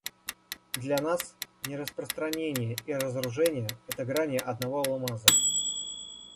Для нас нераспространение и разоружение — это грани одного алмаза.